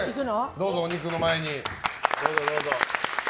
どうぞ、お肉の前に。